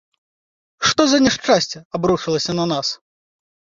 Што за няшчасце абрушылася на нас?